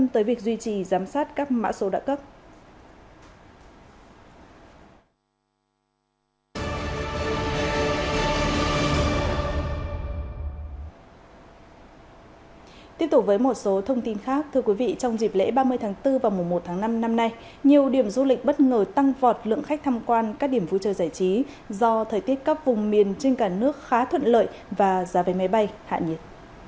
tiếp tục với một số thông tin khác thưa quý vị trong dịp lễ ba mươi tháng bốn và mùa một tháng năm năm nay nhiều điểm du lịch bất ngờ tăng vọt lượng khách tham quan các điểm vui chơi giải trí do thời tiết cấp vùng miền trên cả nước khá thuận lợi và giá về máy bay hạ nhiệt